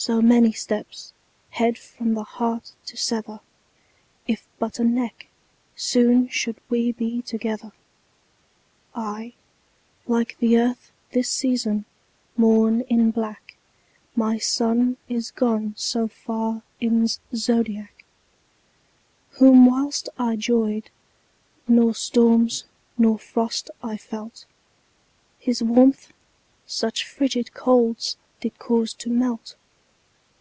So many steps, head from the heart to sever, If but a neck, soon should we be together. I, like the Earth this season, mourn in black, My Sun is gone so far in's zodiac, Whom whilst I 'joyed, nor storms, nor frost I felt, His warmth such fridged colds did cause to melt.